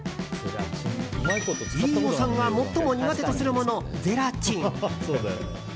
飯尾さんが最も苦手とするものゼラチン。